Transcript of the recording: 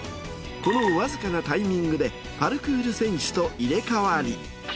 このわずかなタイミングでパルクール選手と入れ代わり。